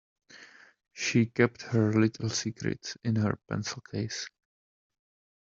She kept her little secrets in her pencil case.